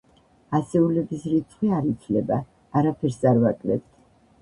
ასეულების რიცხვი არ იცვლება, არაფერს არ ვაკლებთ.